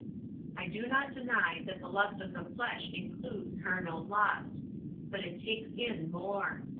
I do not deny that the lust of the flesh includes carnal lust. But it takes in more.